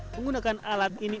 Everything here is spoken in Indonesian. menggunakan alat ini